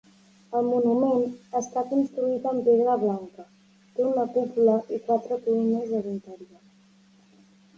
El monument està construït en pedra blanca, té una cúpula i quatre columnes a l'interior.